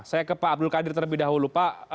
saya ke pak abdul qadir terlebih dahulu pak